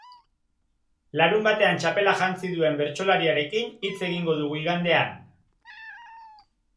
Larunbatean txapela jantzi duen bertsolariarekin hitz egingo dugu igandean.